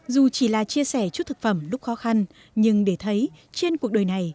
dù chỉ là chia sẻ chút thực phẩm lúc khó khăn nhưng để thấy trên cuộc đời này